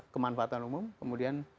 kemanfaatan umum kemudian